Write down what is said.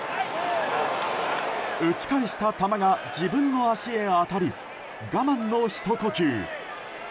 打ち返した球が自分の足へ当たり我慢のひと呼吸。